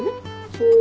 そう。